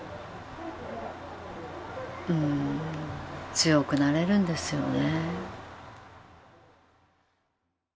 強くなれるんですよね。